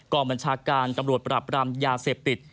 กรบัญชาการกรรมรวดปรับปรามยาเสียบติด